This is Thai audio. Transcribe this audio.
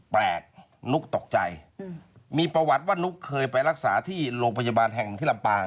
แปลกนุ๊กตกใจมีประวัติว่านุ๊กเคยไปรักษาที่โรงพยาบาลแห่งที่ลำปาง